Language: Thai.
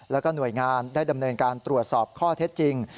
แล้วก็หน่วยงานได้ดำเนินการตรวจสอบข้อเท็จจริง